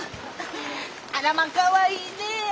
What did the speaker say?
あらまかわいいねえ！